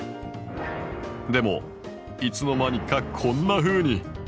でもいつの間にかこんなふうに。